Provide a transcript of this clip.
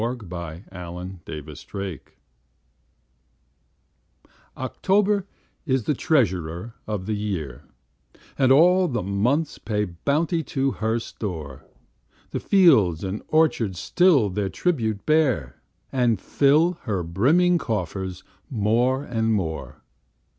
Paul Laurence Dunbar October OCTOBER is the treasurer of the year, And all the months pay bounty to her store: The fields and orchards still their tribute bear, And fill her brimming coffers more and more.